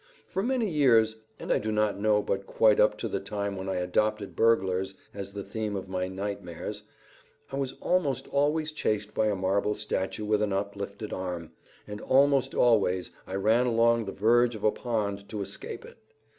For many years, and I do not know but quite up to the time when I adopted burglars as the theme of my nightmares, I was almost always chased by a marble statue with an uplifted arm, and almost always I ran along the verge of a pond to escape it.